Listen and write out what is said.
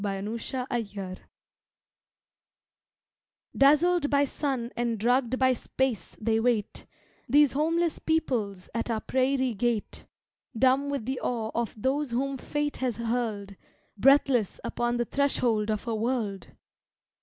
Calgary Station DAZZLED by sun and drugged by space they wait, These homeless peoples, at our prairie gate; Dumb with the awe of those whom fate has hurled, Breathless, upon the threshold of a world!